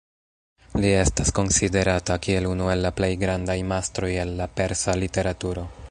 Li estas konsiderata kiel unu el la plej grandaj majstroj el la persa literaturo.